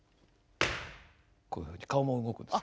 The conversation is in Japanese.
こういうふうに顔も動くんです。